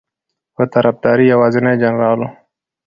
په طرفداری یوازینی جنرال ؤ